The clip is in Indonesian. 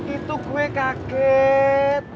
itu gue kaget